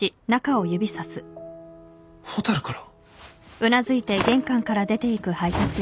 蛍から？